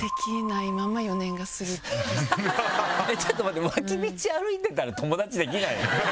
ちょっと待って脇道歩いてたら友達できないの？